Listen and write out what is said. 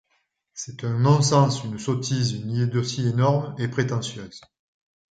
C'est un non-sens, une sottise, une idiotie énorme et prétentieuse.